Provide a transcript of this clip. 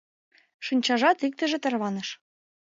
Шинчажат иктыже тарваныш.